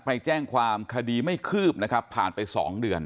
ไปแจ้งความคดีไม่คืบนะครับผ่านไป๒เดือน